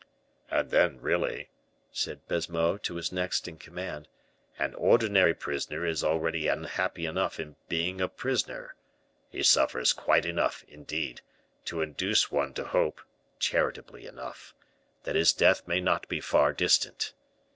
"And then, really," said Baisemeaux to his next in command, "an ordinary prisoner is already unhappy enough in being a prisoner; he suffers quite enough, indeed, to induce one to hope, charitably enough, that his death may not be far distant.